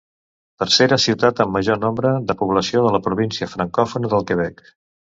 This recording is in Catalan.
Tercera ciutat amb major nombre de població de la província francòfona del Quebec.